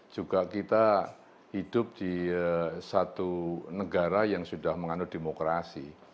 juga kita hidup di satu negara yang sudah menganut demokrasi